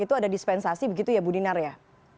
itu ada dispensasi begitu ya bu dinar ya